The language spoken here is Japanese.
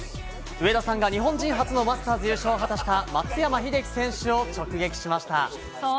上田さんが日本人初のマスターズ優勝を果たした松山英樹選手を直撃しました。